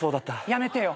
やめてよ。